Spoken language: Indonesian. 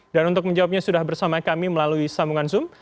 dan untuk menjawabnya sudah bersama kami melalui sambungan zoom